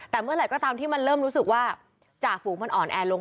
แต่เมื่อไหร่ก็ตามที่มันเริ่มรู้สึกว่าจ่าฝูงมันอ่อนแอลง